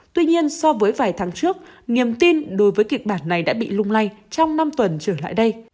tuy nhiên so với vài tháng trước niềm tin đối với kịch bản này đã bị lung lay trong năm tuần trở lại đây